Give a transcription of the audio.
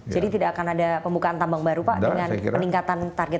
jadi tidak akan ada pembukaan tambang baru pak dengan peningkatan target